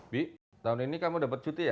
bi tahun ini kamu udah bercuti ya